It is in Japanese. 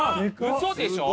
嘘でしょ？